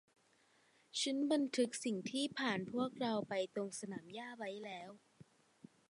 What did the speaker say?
ฉันบันทึกสิ่งที่ผ่านพวกเราไปตรงสนามหญ้าไว้แล้ว